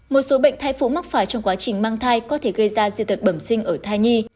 một số bệnh thai phụ mắc phải trong quá trình mang thai có thể gây ra dị tật bẩm sinh ở thai nhi